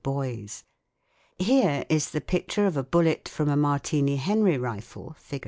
Boys. Here is the picture of a bullet from a Martini Henry rifle (Fig.